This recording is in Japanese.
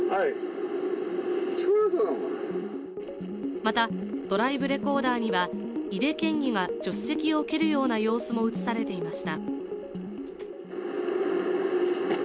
また、ドライブレコーダーには井手県議が助手席を蹴るような様子も映されていました。